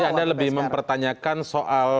jadi anda lebih mempertanyakan soal